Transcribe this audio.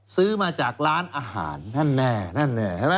ซื้อมาจากร้านอาหารนั่นแน่นั่นแน่